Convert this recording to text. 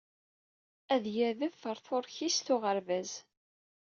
Ad yadef ɣer tuṛkist n uɣerbaz.